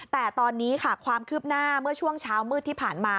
แต่ตอนนี้ค่ะความคืบหน้าเมื่อช่วงเช้ามืดที่ผ่านมา